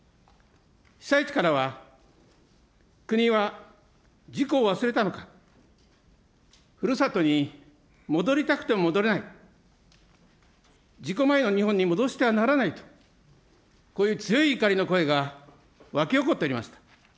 被災地からは、国は事故を忘れたのか、ふるさとに戻りたくても戻れない、事故前の日本に戻してはならないと、こういう強い怒りの声がわき起こっておりました。